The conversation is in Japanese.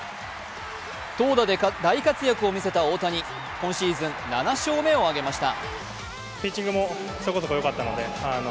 投打で大活躍を見せた大谷今シーズン７勝目を挙げました。